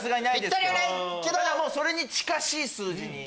ただそれに近しい数字に。